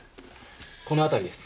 この辺りです。